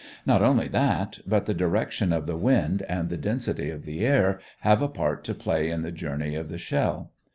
Not only that, but the direction of the wind and the density of the air have a part to play in the journey of the shell.